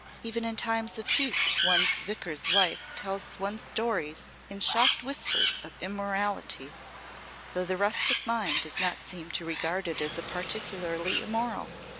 Even in times of peace one's vicar's wife tells one stories in shocked whispers of 'immorality' though the rustic mind does not seem to regard it as particularly immoral.